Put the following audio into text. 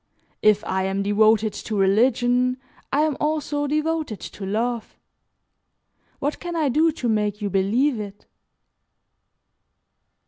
If I am devoted to religion, I am also devoted to love. What can I do to make you believe it?"